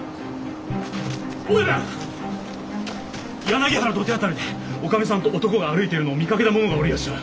柳原土手辺りでおかみさんと男が歩いてるのを見かけた者がおりやした！